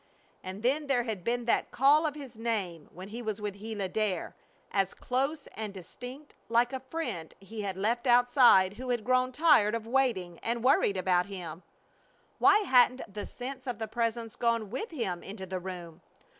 And then there had been that call of his name when he was with Gila Dare, as clear and distinct, like a friend he had left outside who had grown tired of waiting, and worried about him. Why hadn't the sense of the Presence gone with him into the room?